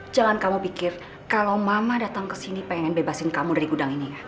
jangan kamu pikir kalo mama datang kesini pengen bebasin kamu dari gudang ini ya